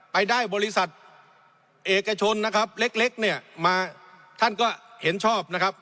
ไปได้บริษัทเอกชนนะครับเล็กเนี่ยมาท่านก็เห็นชอบนะครับ